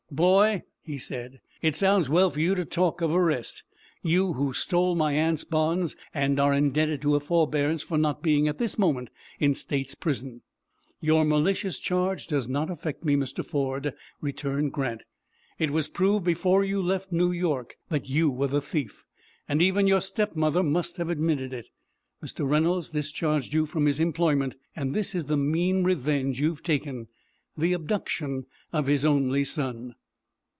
"Boy," he said, "it sounds well for you to talk of arrest you who stole my aunt's bonds, and are indebted to her forbearance for not being at this moment in State's prison." "Your malicious charge does not affect me, Mr. Ford," returned Grant. "It was proved before you left New York that you were the thief, and even your stepmother must have admitted it. Mr. Reynolds discharged you from his employment, and this is the mean revenge you have taken the abduction of his only son."